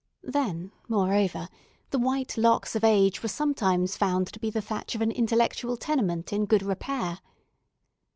Then, moreover, the white locks of age were sometimes found to be the thatch of an intellectual tenement in good repair.